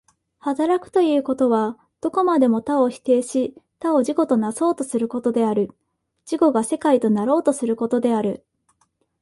働くということは、どこまでも他を否定し他を自己となそうとすることである、自己が世界となろうとすることである。